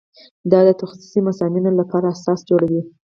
دا د تخصصي مضامینو لپاره اساس جوړوي.